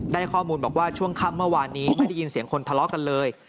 ได้ข้อมูลบอกว่าช่วงค่ำเมื่อวานนี้ไม่ได้ยินเสียงคนทะเลาะกันเลย